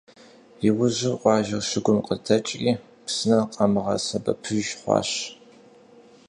Иужьым, къуажэр щыгум къыдэкӏри, псынэр къамыгъэсэбэпыж хъуащ.